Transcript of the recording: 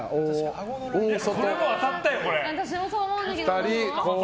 これ、当たったよ！